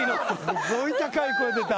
・すごい高い声出た。